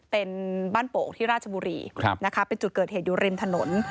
เป็นบ้านโป่งที่ราชบุรีนะคะเป็นจุดเกิดเหตุอยู่ริมถนน